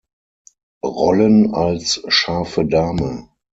Rollen als 'scharfe Dame'